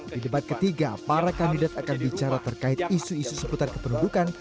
di debat ketiga para kandidat akan bicara terkait isu isu seputar kependudukan